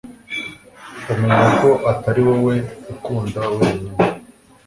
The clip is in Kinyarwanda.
umenye ko atariwowe ukunda wenyine